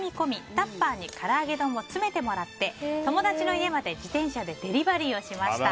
タッパーに唐揚げ丼を詰めてもらって友達の家まで自転車でデリバリーをしました。